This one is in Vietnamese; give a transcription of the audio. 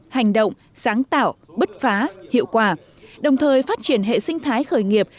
hành động sáng tạo bứt phá hiệu quả đồng thời phát triển hệ sinh thái khởi nghiệp